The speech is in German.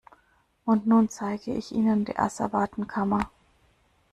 Und nun zeige ich Ihnen die Asservatenkammer.